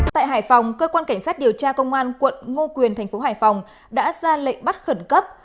tại hải phòng cơ quan cảnh sát điều tra công an quận ngô quyền thành phố hải phòng đã ra lệnh bắt khẩn cấp